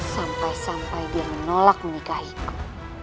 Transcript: sampai sampai dia menolak menikahiku